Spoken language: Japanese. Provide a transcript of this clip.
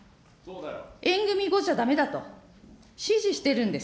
縁組み後じゃだめだと指示してるんです。